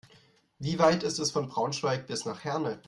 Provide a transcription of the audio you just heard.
Wie weit ist es von Braunschweig bis nach Herne?